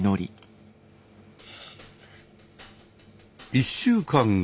１週間後。